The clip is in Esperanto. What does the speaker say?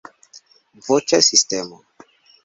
Voĉa sistemo.